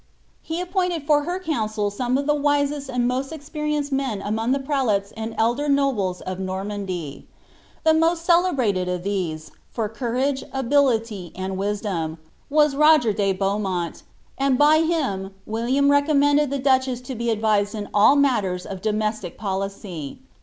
He appointed for hercomv «il some of the wisest and most experienced men among the prelatM and elder nobles of Normandy.' The most celebrated of tliese, for courage, ability, and wisdom, was Ro^r de Beaumont, and bv him Wil liam recommended the duchess to be advised in all matters ^ domestic policy.